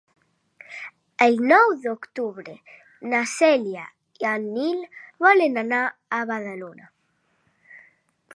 El nou d'octubre na Cèlia i en Nil volen anar a Badalona.